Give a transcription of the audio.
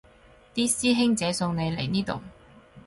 啲師兄姐送你嚟呢度